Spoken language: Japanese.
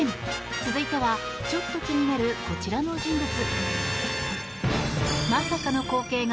続いては、ちょっと気になるこちらの人物。